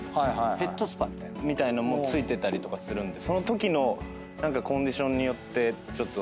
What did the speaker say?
ヘッドスパみたいな？みたいのも付いてたりとかするんでそのときのコンディションによってちょっとずつ変えて。